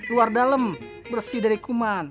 luar dalam bersih dari kuman